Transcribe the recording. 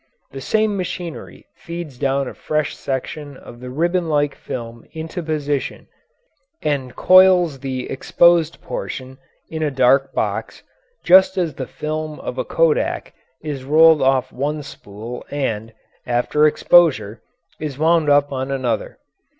The same machinery feeds down a fresh section of the ribbon like film into position and coils the exposed portion in a dark box, just as the film of a kodak is rolled off one spool and, after exposure, is wound up on another.